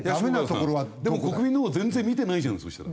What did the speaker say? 東国原さんでも国民のほう全然見てないじゃんそしたら。